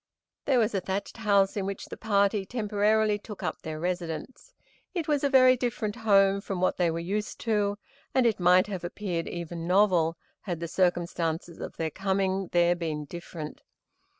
There was a thatched house in which the party temporarily took up their residence. It was a very different home from what they had been used to, and it might have appeared even novel, had the circumstances of their coming there been different.